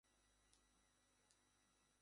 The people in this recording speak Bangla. এদের সবাই কালো বর্ণের, পানিতে অদ্রবণীয় কঠিন যৌগ।